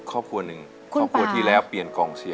ร้องได้แบบนี้